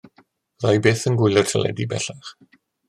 Fydda i byth yn gwylio'r teledu bellach.